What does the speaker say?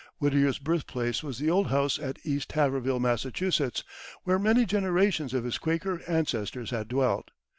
Whittier's birthplace was the old house at East Haverhill, Massachusetts, where many generations of his Quaker ancestors had dwelt.